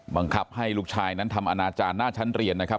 บังคับให้ลูกชายนั้นทำอนาจารย์หน้าชั้นเรียนนะครับ